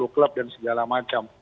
dua puluh klub dan segala macam